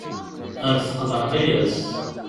Ar teqḍeε layas.